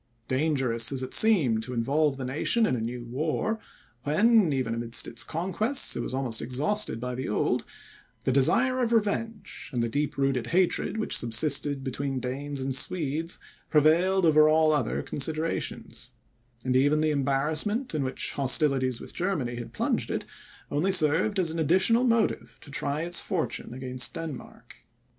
Dangerous as it seemed, to involve the nation in a new war, when, even amidst its conquests, it was almost exhausted by the old, the desire of revenge, and the deep rooted hatred which subsisted between Danes and Swedes, prevailed over all other considerations; and even the embarrassment in which hostilities with Germany had plunged it, only served as an additional motive to try its fortune against Denmark.